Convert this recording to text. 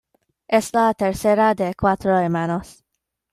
Es la tercera de cuatro hermanos.